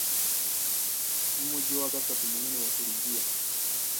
Numujyi wa gatatu munini wa Seribiya.